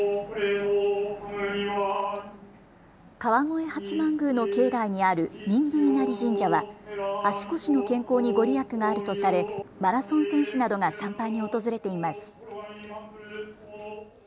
川越八幡宮の境内にある民部稲荷神社は足腰の健康に御利益があるとされマラソン選手などが参拝に訪れています。